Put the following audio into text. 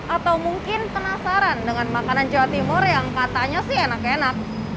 atau mungkin penasaran dengan makanan jawa timur yang katanya sih enak enak